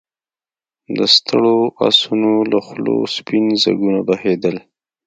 د ستړو آسونو له خولو سپين ځګونه بهېدل.